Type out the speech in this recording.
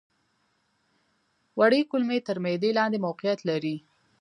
وړې کولمې تر معدې لاندې موقعیت لري.